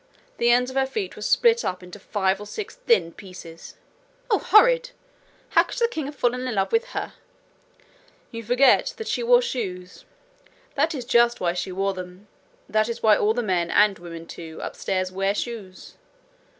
the ends of her feet were split up into five or six thin pieces!' 'Oh, horrid! How could the king have fallen in love with her?' 'You forget that she wore shoes. That is just why she wore them. That is why all the men, and women too, upstairs wear shoes.